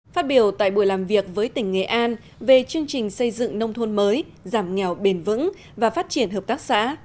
phát biểu tại buổi làm việc với tỉnh nghệ an về chương trình xây dựng nông thôn mới giảm nghèo bền vững và phát triển hợp tác xã